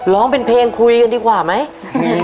ร้องเป็นเพลงคุยกันดีกว่าไหม